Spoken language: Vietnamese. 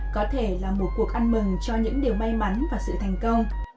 có thể là một cuộc ăn mừng cho những điều may mắn và sự thành công